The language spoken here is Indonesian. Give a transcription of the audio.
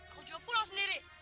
aku jauh pulang sendiri